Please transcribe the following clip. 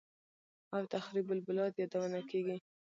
او «تخریب البلاد» یادونه کېږي